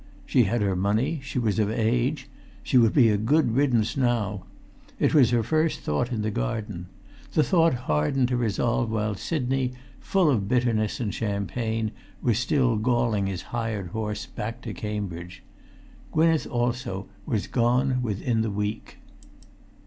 She had her money. She was of age. She would be a good riddance now. It was her first thought in the garden. The thought hardened to resolve while Sidney, full of bitterness and champagne, was still galling his hired horse back to Cambridge. Gwynneth also was gone within the week.